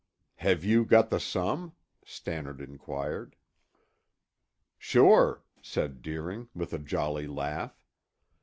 "Have you got the sum?" Stannard inquired. "Sure," said Deering, with a jolly laugh.